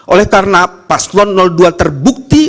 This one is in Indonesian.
oleh karena paslon dua terbukti